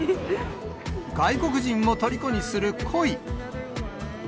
外国人もとりこにするコイ。